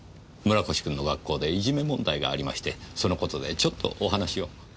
村越君の学校でいじめ問題がありましてその事でちょっとお話を。